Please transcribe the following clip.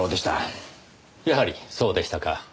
やはりそうでしたか。